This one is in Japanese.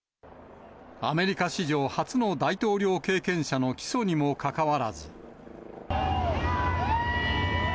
アメリカ史上初の大統領経験者の起訴にもかかわらず。